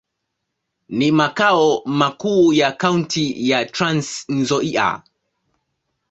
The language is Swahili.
Ni makao makuu ya kaunti ya Trans-Nzoia.